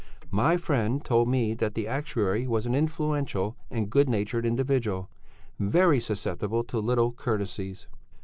My friend told me that the actuary was an influential and good natured individual, very susceptible to little courtesies.